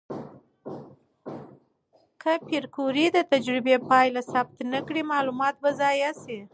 که پېیر کوري د تجربې پایله ثبت نه کړي، معلومات به ضایع شي.